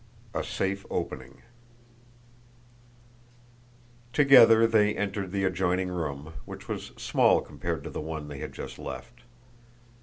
X A SAFE OPENING Together they entered the adjoining room, which was small compared to the one they had just left.